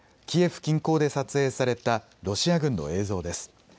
キエフ近郊で撮影されたロシア軍の映像です。